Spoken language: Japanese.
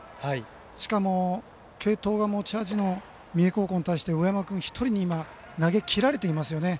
しかも、継投が持ち味の三重高校に対して上山君１人に今は投げきられてますよね。